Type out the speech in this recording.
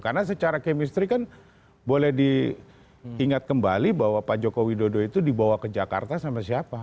karena secara chemistry kan boleh diingat kembali bahwa pak joko widodo itu dibawa ke jakarta sama siapa